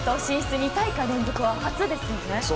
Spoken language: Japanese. ２大会連続は初ですね。